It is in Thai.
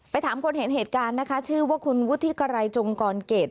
ถามคนเห็นเหตุการณ์นะคะชื่อว่าคุณวุฒิไกรจงกรเกต